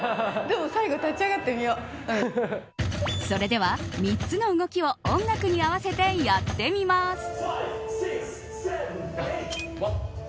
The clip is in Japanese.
それでは３つの動きを音楽に合わせてやってみます。